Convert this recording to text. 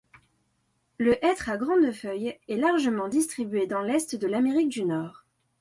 Le hêtre à grandes feuilles est largement distribué dans l'Est de l'Amérique du Nord.